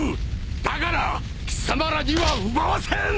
だから貴様らには奪わせん！